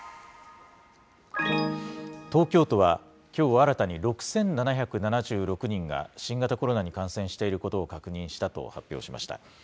東京都は、きょう新たに６７７６人が新型コロナに感染していることを確認したと発表しました。